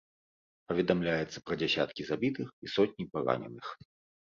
Паведамляецца пра дзясяткі забітых і сотні параненых.